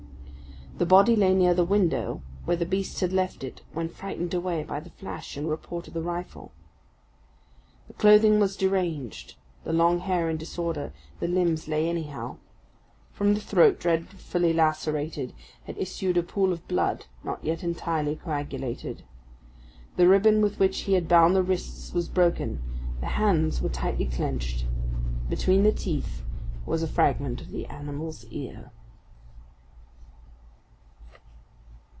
The body lay near the window, where the beast had left it when frightened away by the flash and report of the rifle. The clothing was deranged, the long hair in disorder, the limbs lay anyhow. From the throat, dreadfully lacerated, had issued a pool of blood not yet entirely coagulated. The ribbon with which he had bound the wrists was broken; the hands were tightly clenched. Between the teeth was a fragment of the animal's ear.